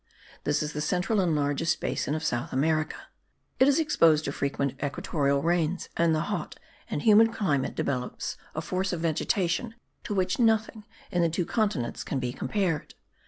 This is the central and largest basin of South America. It is exposed to frequent equatorial rains, and the hot and humid climate develops a force of vegetation to which nothing in the two continents can be compared.